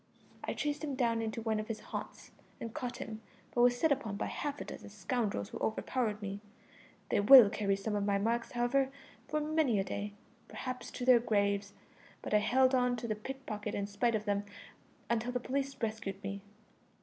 I chased him down into one of his haunts, and caught him, but was set upon by half a dozen scoundrels who overpowered me. They will carry some of my marks, however, for many a day perhaps to their graves; but I held on to the pick pocket in spite of them until the police rescued me.